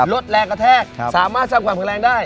รถแรงกระแทกสามารถสร้างความแข็งแรงได้